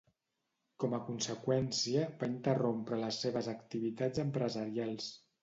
Com a conseqüència, va interrompre les seves activitats empresarials.